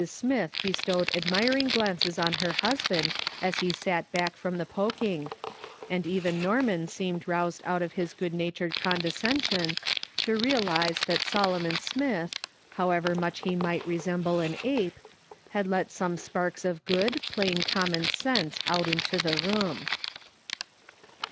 Smith bestowed admiring glances on her husband as he sat back from the poking, and even Norman seemed roused out of his good natured con descension to realise that Solomon Smith, however much he might resemble an ape, had let some sparks of good, plain common sense out into the room.